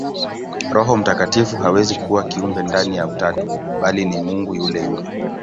Roho Mtakatifu hawezi kuwa kiumbe ndani ya Utatu, bali ni Mungu yule yule.